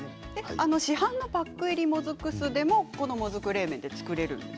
市販のパック入りもずく酢でもこのもずく冷麺は作れるんですね。